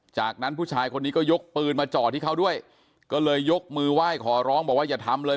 จากนั้นผู้ชายคนนี้ก็ยกปืนมาจ่อที่เขาด้วยก็เลยยกมือไหว้ขอร้องบอกว่าอย่าทำเลย